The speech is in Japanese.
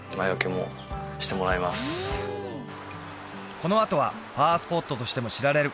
このあとはパワースポットとしても知られる